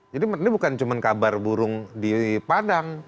jadi ini bukan cuma kabar burung di padang